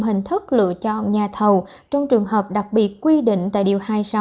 hình thức lựa chọn nhà thầu trong trường hợp đặc biệt quy định tại điều hai mươi sáu